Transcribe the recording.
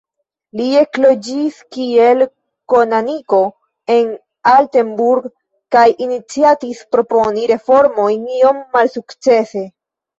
Li ekloĝis kiel kanoniko en Altenburg, kaj iniciatis proponi reformojn, iom malsukcese.